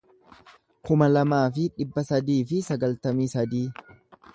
kuma lamaa fi dhibba sadii fi sagaltamii sadii